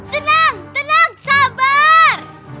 tenang tenang sabar